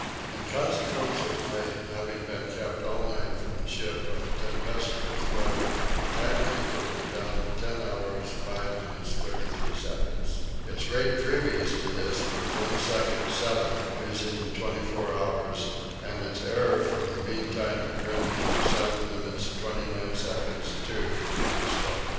In consequence of my having been kept all night from the ship by the tempestuous weather the timekeeper went down at 10 hours 5 minutes 36 seconds. Its rate previous to this was 1 second, 7 losing in 24 hours, and its error from the mean time at Greenwich was 7 minutes 29 seconds, 2 too slow.